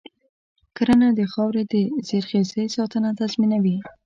کرنه د خاورې د زرخیزۍ ساتنه تضمینوي.